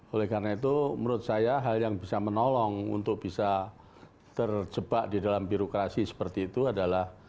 oleh karena itu menurut saya hal yang bisa menolong untuk bisa terjebak di dalam birokrasi seperti itu adalah